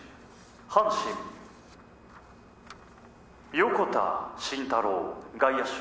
阪神」「横田慎太郎外野手